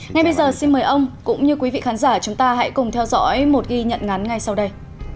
ngay bây giờ xin mời ông cũng như quý vị khán giả chúng ta hãy cùng theo dõi một ghi nhận ngắn ngay sau đây